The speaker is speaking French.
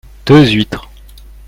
Deux huîtres.